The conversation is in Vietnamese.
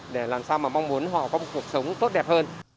để làm sao mà mong muốn họ có một cuộc sống tốt đẹp hơn